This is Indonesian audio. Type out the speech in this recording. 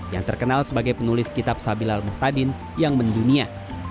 yang terkenal sebagai penulis kitab sabilal muhtadin yang mendunia